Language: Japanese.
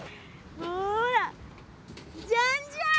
ほらじゃんじゃん。